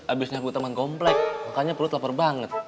abis nyangkut teman komplek makanya perut lapar banget